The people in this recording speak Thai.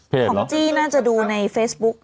ของจี้น่าจะดูในเฟซบุ๊ก